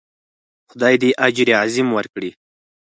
خدای دې اجر عظیم ورکړي.